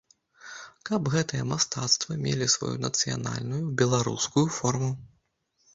Каб гэтыя мастацтвы мелі сваю нацыянальную, беларускую форму.